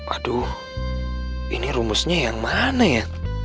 aduh ini rumusnya yang mana ya